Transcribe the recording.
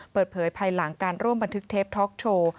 เปิดเผยภายหลังการร่วมบันทึกเทปท็อกโชว์